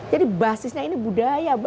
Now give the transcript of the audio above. jadi basisnya ini budaya banget ya